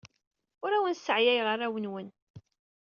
Ur awen-sseɛyayeɣ arraw-nwen.